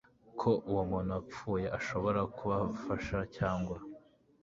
ko uwo muntu wapfuye ashobora kubafasha cyangwa